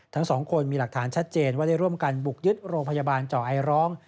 ทั้งสองคนมีหลักฐานชัดเจนว่าได้ร่วมกันบุกยึดโรงพยาบาลเจาะไอร้อง